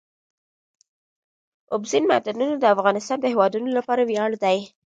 اوبزین معدنونه د افغانستان د هیوادوالو لپاره ویاړ دی.